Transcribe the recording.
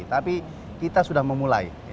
tapi kita sudah memulai